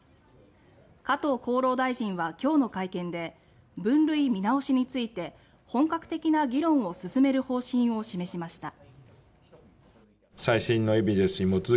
加藤厚労大臣は今日の会見で分類見直しについて本格的な議論を進める方針を示しました。